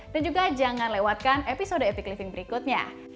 dan juga jangan lewatkan episode epic living berikutnya